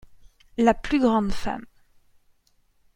La plus grande femme.